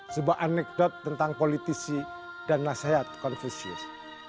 sebuah anekdot tentang politisi dan nasihat konfesius